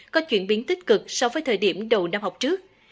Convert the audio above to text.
có chuyển biến tích cực so với thời điểm đầu năm học trước